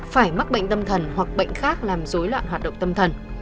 phải mắc bệnh tâm thần hoặc bệnh khác làm dối loạn hoạt động tâm thần